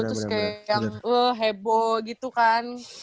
terus kayak yang heboh gitu kan